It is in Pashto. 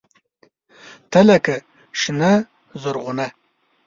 تۀ لکه “شنه زرغونه”